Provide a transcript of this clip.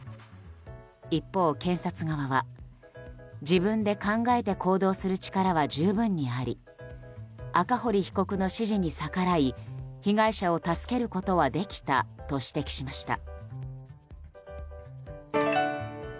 一方、検察側は自分で考えて行動する力は十分にあり赤堀被告の指示に逆らい被害者を助けることはできたと指摘しました。